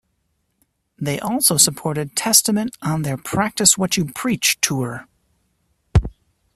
They also supported Testament on their "Practice What You Preach" tour.